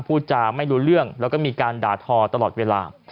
พูดจาไม่รู้เรื่องแล้วก็มีการด่าทอตลอดเวลา